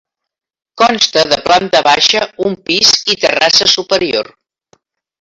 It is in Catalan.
Consta de planta baixa, un pis i terrassa superior.